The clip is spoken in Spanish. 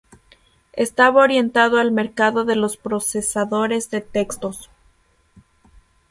Estaba orientado al mercado de los procesadores de textos.